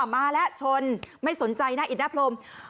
อ๋อมาแล้วชนไม่สนใจนะอิทธิ์น้าโพรม